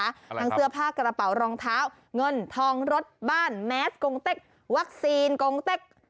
ทั้งเสื้อผ้ากระเป๋ารองเท้าเงินทองรถบ้านแมสกงเต็กวัคซีนกงเต็ก